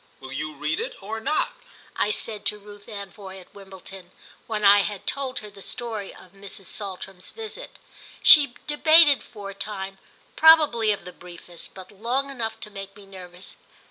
"Will you read it or not?" I said to Ruth Anvoy, at Wimbledon, when I had told her the story of Mrs. Saltram's visit. She debated for a time probably of the briefest, but long enough to make me nervous.